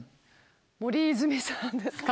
森泉さんですか？